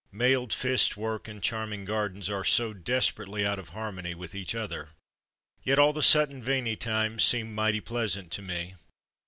Mailed fist work and charm ing gardens are so desperately out of har mony with each other. Yet all the Sutton Veney times seemed mighty pleasant to me.